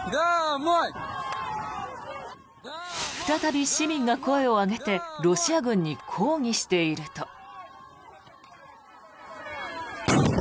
再び市民が声を上げてロシア軍に抗議していると。